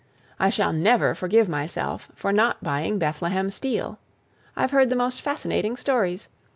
I shall never forgive myself for not buying Bethlehem Steel. I've heard the most fascinating stories.